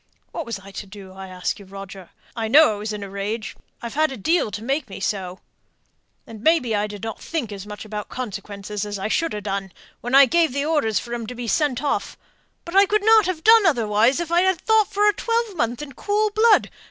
"What was I to do, I ask you, Roger? I know I was in a rage I've had a deal to make me so and maybe I didn't think as much about consequences as I should ha' done, when I gave orders for 'em to be sent off; but I couldn't have done otherwise if I'd ha' thought for a twelvemonth in cool blood.